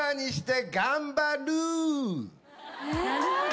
なるほど。